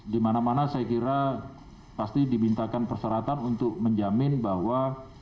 di mana mana saya kira pasti dimintakan persyaratan untuk menjamin bahwa